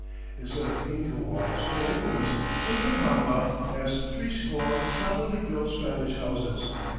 Instead of Inca walls or ruins Vilcabamba has threescore solidly built Spanish houses.